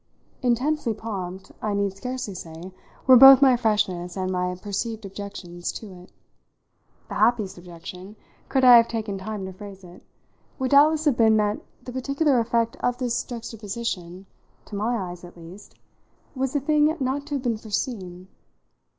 Intensely prompt, I need scarcely say, were both my freshness and my perceived objections to it. The happiest objection, could I have taken time to phrase it, would doubtless have been that the particular effect of this juxtaposition to my eyes at least was a thing not to have been foreseen.